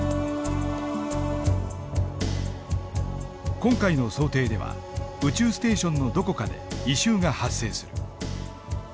今回の想定では宇宙ステーションのどこかで異臭が発生する。